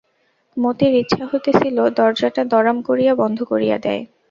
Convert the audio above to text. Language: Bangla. মতির ইচ্ছা হইতেছিল দরজাটা দড়াম করিয়া বন্ধ করিয়া দেয়।